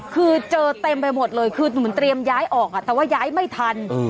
คือเจอเต็มไปหมดเลยคือเหมือนเตรียมย้ายออกแต่ว่าย้ายไม่ทัน